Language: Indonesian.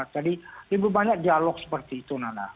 jadi lebih banyak dialog seperti itu nana